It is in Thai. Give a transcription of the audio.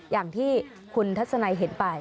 อย่างที่คุณทัศนัยเห็นไป